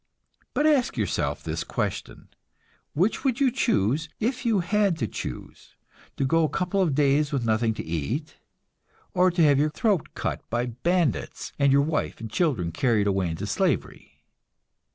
But ask yourself this question: which would you choose, if you had to choose to go a couple of days with nothing to eat, or to have your throat cut by bandits and your wife and children carried away into slavery?